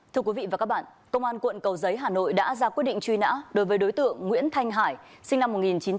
thưa quý vị và các bạn công an quận cầu giấy hà nội đã ra quyết định truy nã đối với đối tượng nguyễn thanh hải sinh năm một nghìn chín trăm tám mươi